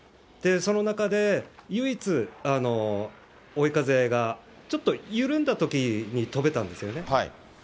その中で、唯一、追い風がちょっと緩んだときに飛べたんですよね。